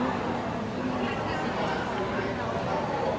อเรนนี่ว่าที่เต็มประกาศเหมือนกันนะครับ